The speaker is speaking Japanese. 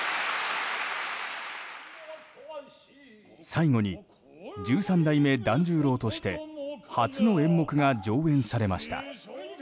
最後に十三代目團十郎として初の演目が上演されました。